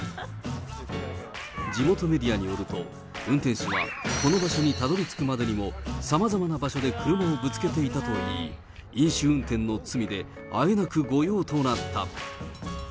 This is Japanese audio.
地元メディアによると、運転手はこの場所にたどりつくまでにも、さまざまな場所で車をぶつけていたといい、飲酒運転の罪で、あえなく御用となった。